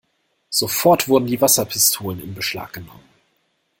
Sofort wurden die Wasserpistolen in Beschlag genommen.